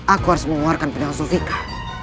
aku harus mengeluarkan penelusur vika